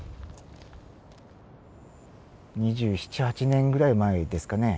２７２８年前ぐらいですかね